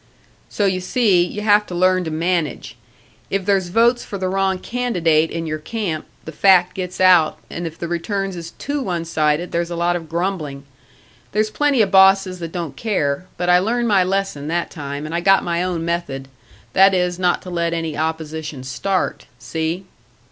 "So you see, you have to learn to manage. If there's votes for the wrong candidate in your camp, the fact gets out, and if the returns is too one sided, there's a lot of grumbling. There's plenty of bosses that don't care, but I learned my lesson that time, and I got my own method that is not to let any opposition start. See?"